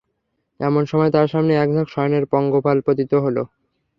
এমন সময় তাঁর সামনে এক ঝাঁক স্বর্ণের পঙ্গপাল পতিত হল।